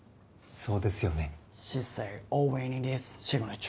そうですよね？